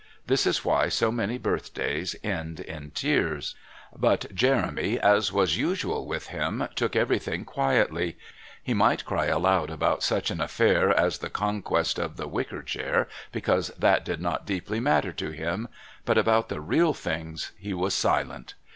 This is why so many birthdays end in tears. But Jeremy, as was usual with him, took everything quietly. He might cry aloud about such an affair as the conquest of the wicker chair because that did not deeply matter to him, but about the real things he was silent.